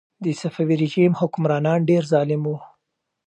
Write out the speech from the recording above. د صفوي رژیم حکمرانان ډېر ظالم وو.